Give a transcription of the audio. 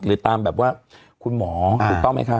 หรือตามแบบว่าคุณหมอถูกต้องไหมคะ